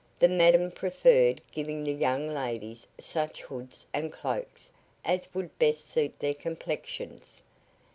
The madam preferred giving the young ladies such hoods and cloaks as would best suit their complexions.